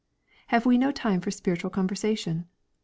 Have we no time for spiritual conversation